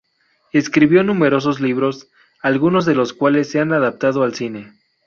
Escribió numerosos libros, algunos de los cuales se han adaptado al cine.